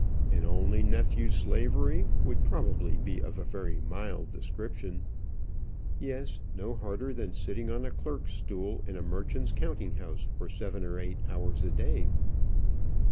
"An only nephew's slavery would probably be of a very mild description." "Yes; no harder than sitting on a clerk's stool in a merchant's counting house for seven or eight hours a day."